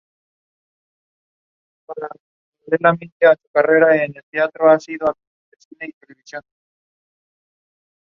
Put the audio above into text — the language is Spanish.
Es raro que las pápulas se extiendan a otras partes del glande.